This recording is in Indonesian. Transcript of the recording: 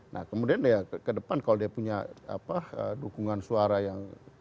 nah kemudian ya ke depan kalau dia punya dukungan suara yang